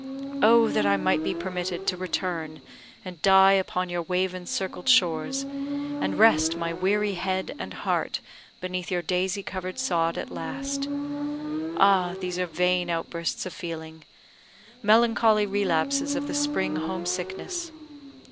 Oh, that I might be permitted to return and die upon your wave encircled shores, and rest my weary head and heart beneath your daisy covered sod at last! Ah, these are vain outbursts of feeling melancholy relapses of the spring home sickness!